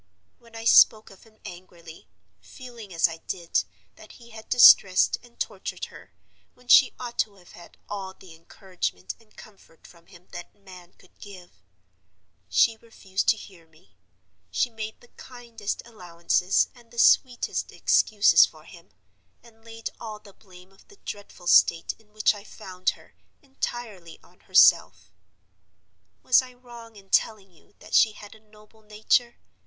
When I spoke of him angrily (feeling as I did that he had distressed and tortured her, when she ought to have had all the encouragement and comfort from him that man could give), she refused to hear me: she made the kindest allowances and the sweetest excuses for him, and laid all the blame of the dreadful state in which I had found her entirely on herself. Was I wrong in telling you that she had a noble nature?